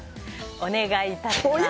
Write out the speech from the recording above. お願いいたします。